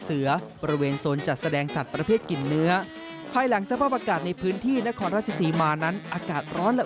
เสือโครงและเสือชีตาได้เป็นอย่างดีอีกด้วย